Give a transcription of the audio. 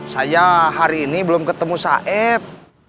saya hari ini belum ketemu saib